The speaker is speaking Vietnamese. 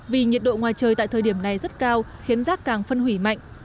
vì nhiệt độ ngoài trời tại thời điểm này rất cao khiến rác càng phân hủy mạnh